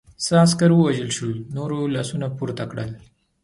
څه عسکر ووژل شول، نورو لاسونه پورته کړل.